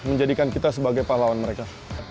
menjadikan kita sebagai pahlawan mereka